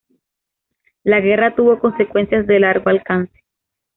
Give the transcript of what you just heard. La guerra tuvo consecuencias de largo alcance.